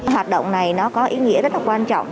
hoạt động này có ý nghĩa rất quan trọng